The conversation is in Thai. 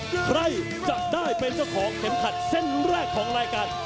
ใครจะได้เป็นเจ้าของเข็มขัดเส้นแรกของรายการ